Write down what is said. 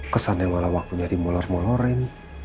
kesannya malah waktunya dimolor molorin